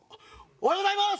おはようございます！